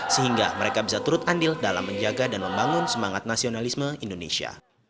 sehingga mereka bisa turut andil dalam menjaga dan membangun semangat nasionalisme indonesia